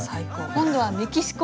今度はメキシコ！